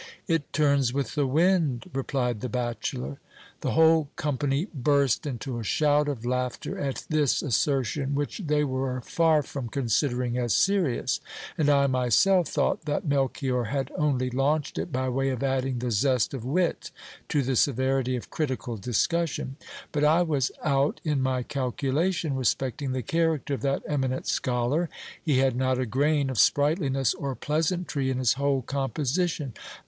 It turns with the wind, replied the bachelor. The whole company burst into a shout of laughter at this assertion, which they were far from considering as serious ; and I myself thought that Melchior had only launched it by way of adding the zest of wit to the severity of critical discussion. But I was out in my calculation respecting the character of that eminent scholar : he had not a grain of sprightliness or pleasantry in his whole composition.